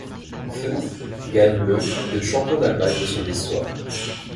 Furth gagne le de champion d'Allemagne de son histoire.